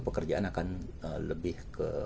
pekerjaan akan lebih ke